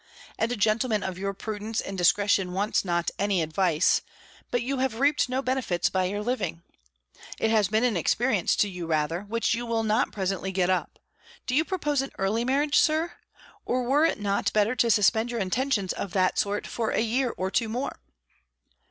And a gentleman of your prudence and discretion wants not any advice; but you have reaped no benefits by your living. It has been an expence to you rather, which you will not presently get up: do you propose an early marriage, Sir? Or were it not better to suspend your intentions of that sort for a year or two more?"